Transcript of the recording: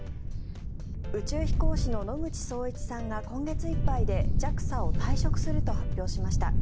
宇宙飛行士の野口聡一さんが今月いっぱいでＪＡＸＡを退職すると発表しました。